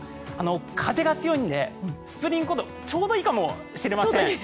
風が強いのでスプリングコートちょうどいいかもしれません。